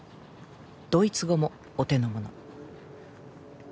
ドイツ語もお手の物。